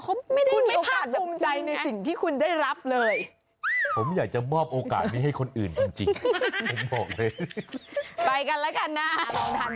เขาไม่ได้มีโอกาสแบบจริงขอ